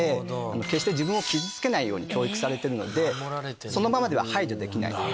決して自分を傷つけないように教育されてるのでそのままでは排除できない。